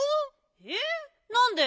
えっなんで？